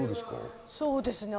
そうですね。